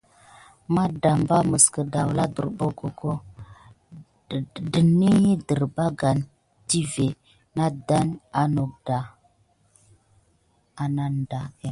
Matdamba məs kədawla abbockəka ɗənəhi dədarbane tivé nawtoŋ ananda.